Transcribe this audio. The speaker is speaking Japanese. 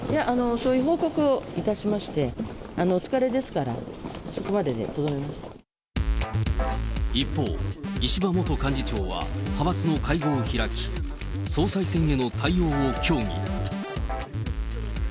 そういう報告をいたしまして、お疲れですから、一方、石破元幹事長は派閥の会合を開き、総裁選への対応を協議。